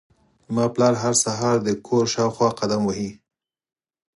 زما پلار هر سهار د کور شاوخوا قدم وهي.